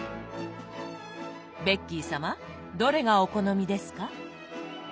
ベッキー様どれがお好みですか？